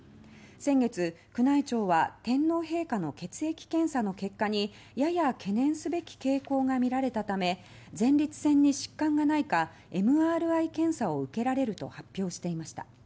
先月、宮内庁は天皇陛下の血液検査の結果にやや懸念すべき傾向が見られたため前立腺に疾患がないかＭＲＩ検査を受けられると発表していました。